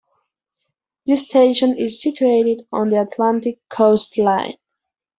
The station is situated on the Atlantic Coast Line.